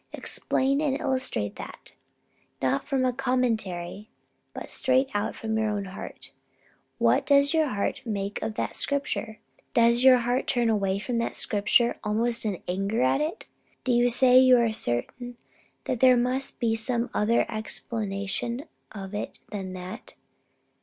Explain and illustrate that. Not from a commentary, but straight out from your own heart. What does your heart make of that scripture? Does your heart turn away from that scripture almost in anger at it? Do you say you are certain that there must be some other explanation of it than that?